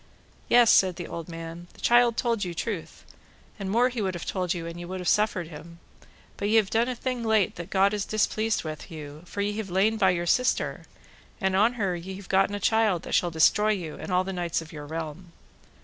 Yes, said the old man, the child told you truth, and more would he have told you an ye would have suffered him. But ye have done a thing late that God is displeased with you, for ye have lain by your sister, and on her ye have gotten a child that shall destroy you and all the knights of your realm.